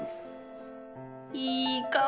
いい香り